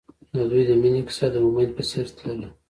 د دوی د مینې کیسه د امید په څېر تلله.